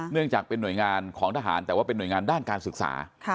เนื่องจากเป็นหน่วยงานของทหารแต่ว่าเป็นหน่วยงานด้านการศึกษา